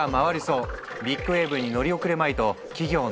ビッグウエーブに乗り遅れまいと企業の競争が大激化！